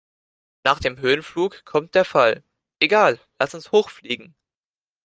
Nach dem Höhenflug kommt der Fall. Egal, lass uns hoch fliegen!